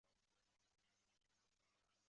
华人是这的主要经济动脉。